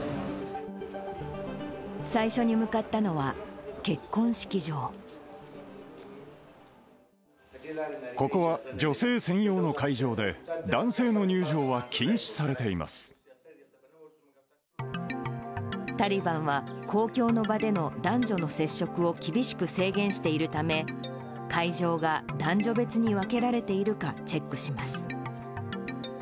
最初に向かったのは、結婚式ここは、女性専用の会場で、タリバンは、公共の場での男女の接触を厳しく制限しているため、会場が男女別に分けられているかチェックします。